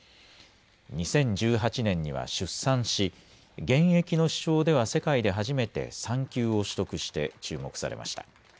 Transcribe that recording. ２０１８年には出産し、現役の首相では世界で初めて産休を取得して注目されました。